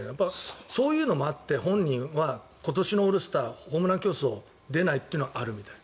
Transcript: そういうのもあって本人は今年のオールスターホームラン競争出ないっていうのはあるみたい。